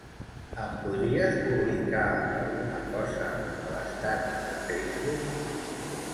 Em podries publicar alguna cosa a l'estat de Facebook?